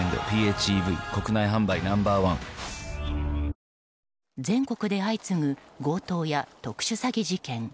糖質ゼロ全国で相次ぐ強盗や特殊詐欺事件。